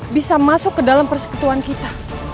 bisa masuk ke dalam persetuan kita